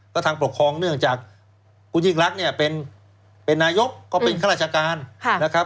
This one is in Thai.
ก็ทางปกครองเนื่องจากคุณยิ่งรักเนี่ยเป็นนายกก็เป็นข้าราชการนะครับ